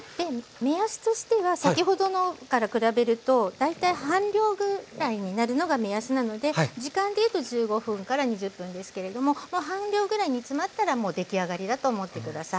目安としては先ほどのから比べると大体半量分ぐらいになるのが目安なので時間でいうと１５分から２０分ですけれどももう半量ぐらい煮詰まったらもう出来上がりだと思って下さい。